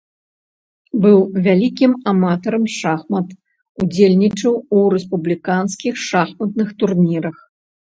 Быў вялікім аматарам шахмат, удзельнічаў у рэспубліканскіх шахматных турнірах.